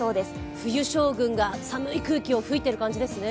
冬将軍が、寒い空気を吹いている感じですね。